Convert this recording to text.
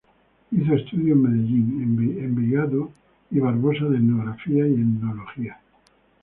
Hizo estudios en Medellín, Envigado y Barbosa de Etnografía y Etnología.